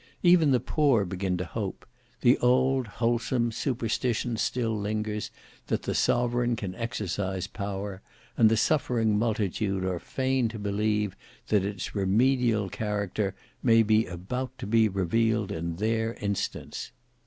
Even the poor begin to hope; the old, wholesome superstition still lingers, that the sovereign can exercise power; and the suffering multitude are fain to believe that its remedial character may be about to be revealed in their instance.